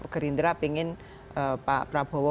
gerindra pingin pak prabowo